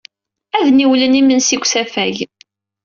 Ad d-niwlen imensi deg usafag.